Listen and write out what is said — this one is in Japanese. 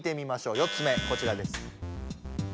４つ目こちらです。